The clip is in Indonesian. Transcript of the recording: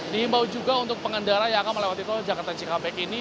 diimbau juga untuk pengendara yang akan melewati tol jakarta cikampek ini